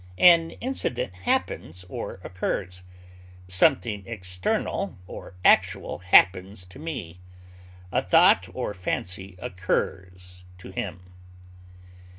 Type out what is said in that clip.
An incident happens or occurs; something external or actual happens to one; a thought or fancy occurs to him.